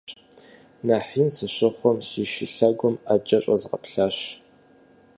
Нэхъ ин сыщыхъум, си шы лъэгум Ӏэджэ щӀэзгъэплъащ.